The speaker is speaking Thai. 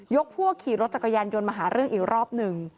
พวกขี่รถจักรยานยนต์มาหาเรื่องอีกรอบหนึ่ง